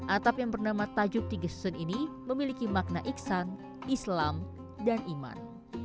atap yang bernama tajuk tiga susun ini memiliki makna iksan islam dan iman